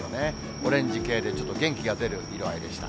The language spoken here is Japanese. オレンジ系で、ちょっと元気が出る色合いでした。